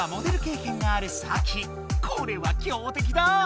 これは強てきだ！